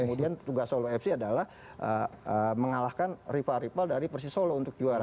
kemudian tugas solo fc adalah mengalahkan rival rival dari persis solo untuk juara